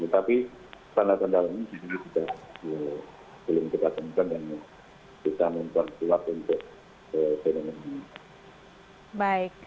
tanda tanda lainnya ini juga belum kita temukan dan kita memperkuat untuk penemuan ini